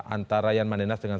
antara yan mandenas dengan